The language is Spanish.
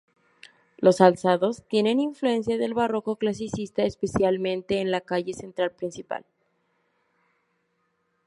Los alzados tienen influencia del barroco clasicista especialmente en la calle central principal.